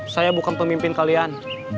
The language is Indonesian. saya bukan pemimpin kalian